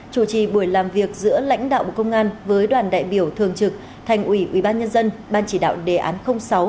chủ trì buổi làm việc giữa lãnh đạo bộ công an với đoàn đại biểu thường trực thành ủy ubnd ban chỉ đạo đề án sáu